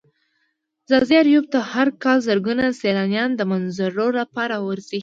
ځاځي اريوب ته هر کال زرگونه سيلانيان د منظرو لپاره ورځي.